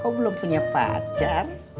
kok belum punya pacar